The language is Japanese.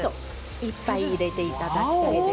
いっぱい入れていただきたいです。